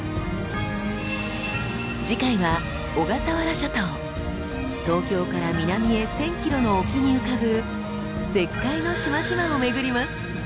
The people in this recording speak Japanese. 次回は東京から南へ１，０００キロの沖に浮かぶ絶海の島々を巡ります。